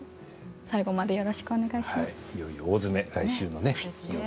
最後までよろしくお願いします。